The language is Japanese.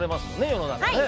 世の中ね。